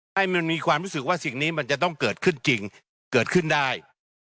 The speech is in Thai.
ให้มันมีความรู้สึกว่าสิ่งนี้มันจะต้องเกิดขึ้นจริงจึงเกิดขึ้นได้